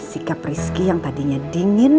sikap rizki yang tadinya dingin